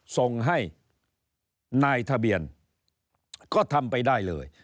ส่งให้นายทะเบียนก็ทำไปได้เลย